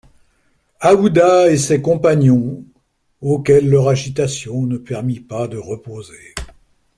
Aouda et ses compagnons, auxquels leur agitation ne permit pas de reposer.